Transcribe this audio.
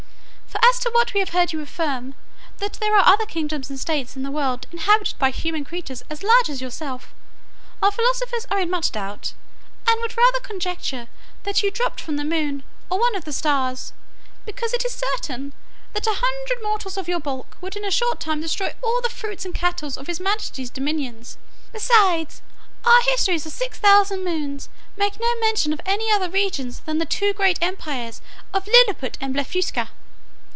For as to what we have heard you affirm, that there are other kingdoms and states in the world inhabited by human creatures as large as yourself, our philosophers are in much doubt, and would rather conjecture that you dropped from the moon, or one of the stars; because it is certain, that a hundred mortals of your bulk would in a short time destroy all the fruits and cattle of his majesty's dominions: besides, our histories of six thousand moons make no mention of any other regions than the two great empires of Lilliput and Blefuscu.